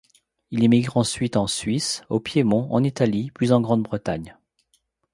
Il émigre ensuite en Suisse, au Piémont, en Italie, puis en Grande-Bretagne.